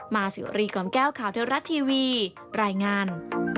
สิวรีกล่อมแก้วข่าวเทวรัฐทีวีรายงาน